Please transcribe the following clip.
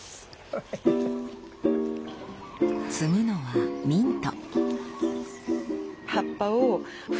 摘むのはミント。